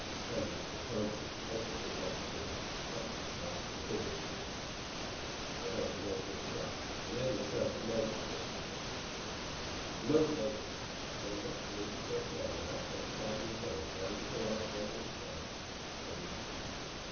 Sandy was behind him as he opened the apartment door and thrust his head into the hall to listen. They heard the lower door shut, and then the sound of mounting footsteps. A moment later a slender, neatly dressed man about thirty five years old rounded the last bend in the stairs and came into view.